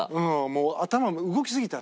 もう頭動きすぎた。